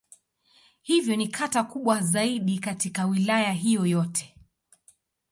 Hivyo ni kata kubwa zaidi katika Wilaya hiyo yote.